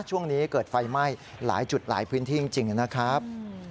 ช่วงนี้เกิดไฟไหม้หลายจุดหลายพื้นที่จริงนะครับ